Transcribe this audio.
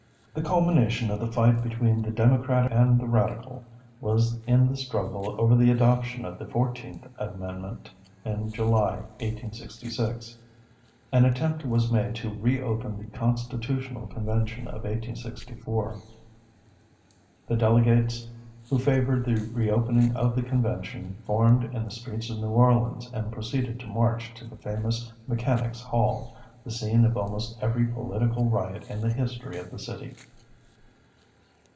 The culmination of the fight between the Democrat and the Radical was in the struggle over the adoption of the Fourteenth Amendment in July, 1866. An attempt was made to re open the Constitutional Convention of 1864. The delegates, who favored the reopening of the convention, formed in the streets of New Orleans, and proceeded to march to the famous Mechanics Hall, the scene of almost every political riot in the history of the city.